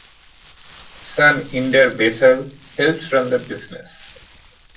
Son Inderbethal helps run the business.